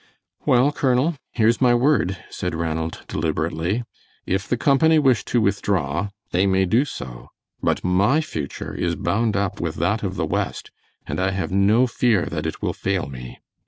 "Well, Colonel, here's my word," said Ranald, deliberately, "if the company wish to withdraw they may do so, but my future is bound up with that of the West, and I have no fear that it will fail me.